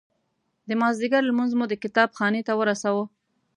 د مازدیګر لمونځ مو د کتاب خانې ته ورساوه.